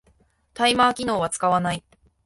タイマー機能は使わない